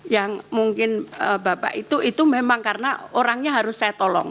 yang mungkin bapak itu itu memang karena orangnya harus saya tolong